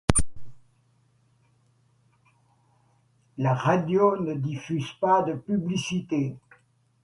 La radio ne diffuse pas de publicité.